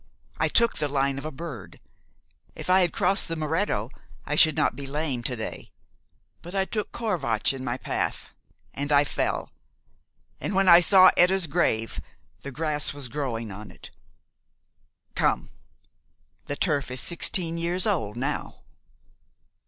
I took the line of a bird. If I had crossed the Muretto, I should not be lame to day; but I took Corvatsch in my path, and I fell, and when I saw Etta's grave the grass was growing on it. Come! The turf is sixteen years old now."